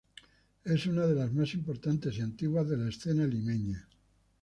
Es una de las más importantes y antiguas de la escena limeña.